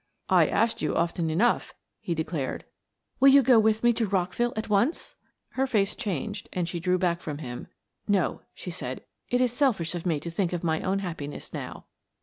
"I asked you often enough," he declared. "Will you go with me to Rockville at once?" Her face changed and she drew back from him. "No," she said. "It is selfish of me to think of my own happiness now."